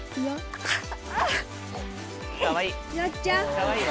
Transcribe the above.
かわいい。